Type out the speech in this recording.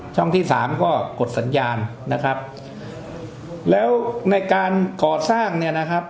ที่สามก็กดสัญญาณนะครับแล้วในการก่อสร้างเนี่ยนะครับ